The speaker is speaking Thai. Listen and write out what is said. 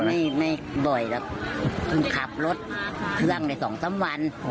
ไม่ไม่บ่อยแล้วคุณขับรถเครื่องใน๒๓วัน